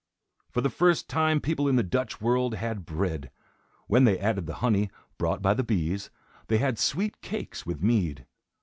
For the first time people in the Dutch world had bread. When they added the honey, brought by the bees, they had sweet cakes with mead.